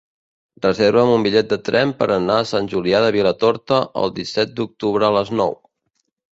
Reserva'm un bitllet de tren per anar a Sant Julià de Vilatorta el disset d'octubre a les nou.